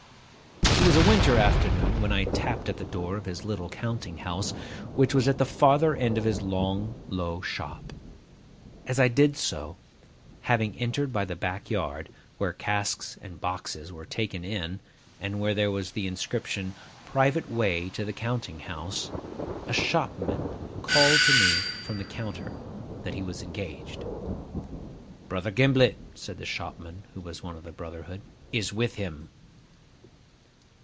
It was a winter afternoon, when I tapped at the door of his little counting house, which was at the farther end of his long, low shop. As I did so (having entered by the back yard, where casks and boxes were taken in, and where there was the inscription, 'Private way to the counting house'), a shopman called to me from the counter that he was engaged. 'Brother Gimblet' (said the shopman, who was one of the brotherhood) 'is with him.